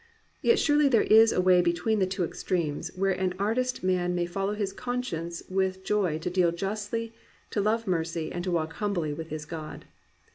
Yet surely there is a way between the two extremes where an artist man may follow his conscience with joy to deal justly, to love mercy, and to walk humbly with his God.